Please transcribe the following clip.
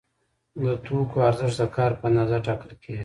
د توکو ارزښت د کار په اندازه ټاکل کیږي.